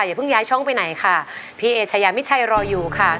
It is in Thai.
อย่าเพิ่งย้ายช่องไปไหนค่ะพี่เอชายามิชัยรออยู่ค่ะ